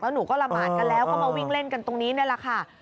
หนูก็ละหมาดกันแล้วก็มาวิ่งเล่นกันตรงนี้นี่แหละค่ะ